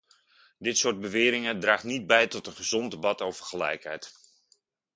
Dit soort beweringen draagt niet bij tot een gezond debat over gelijkheid.